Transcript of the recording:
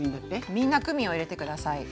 みんなクミンを入れて下さい。